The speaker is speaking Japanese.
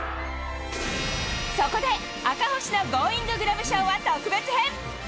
そこで、赤星のゴーインググラブ賞は特別編。